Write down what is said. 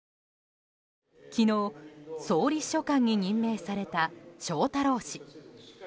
昨日、総理秘書官に任命された翔太郎氏。